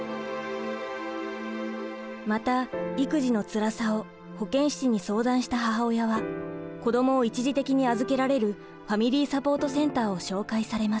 また育児のつらさを保健師に相談した母親は子どもを一時的に預けられるファミリーサポートセンターを紹介されます。